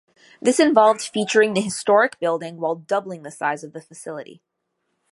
This involved featuring the historic building while doubling the size of the facility.